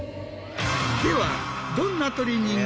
では。